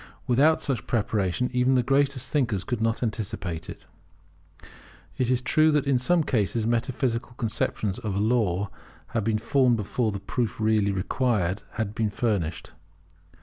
Without such preparation even the greatest thinkers could not anticipate it. It is true that in some cases metaphysical conceptions of a law have been formed before the proof really required had been furnished.